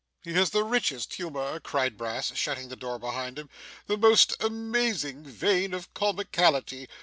'He has the richest humour!' cried Brass, shutting the door behind him; 'the most amazing vein of comicality!